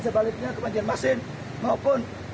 sebaliknya ke banjarmasin maupun